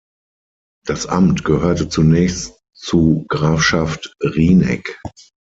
Das Amt gehörte zunächst zu Grafschaft Rieneck.